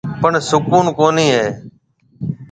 پڻ سُڪوُن ڪونِي هيَ۔